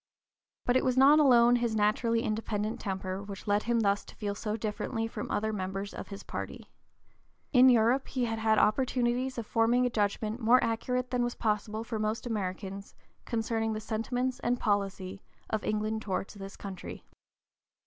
But it was not alone his naturally independent temper which led him thus to feel so differently from other members of his party. In Europe he had had opportunities of forming a judgment more accurate than was possible for most Americans concerning the sentiments and policy of England towards this country.